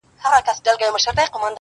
زمري وویل خوږې کوې خبري٫